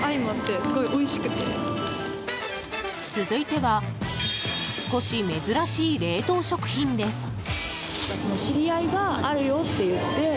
続いては少し珍しい冷凍食品です。